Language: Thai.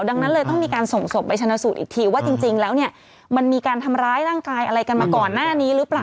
ดังนั้นเลยต้องมีการส่งศพไปชนะสูตรอีกทีว่าจริงแล้วเนี่ยมันมีการทำร้ายร่างกายอะไรกันมาก่อนหน้านี้หรือเปล่า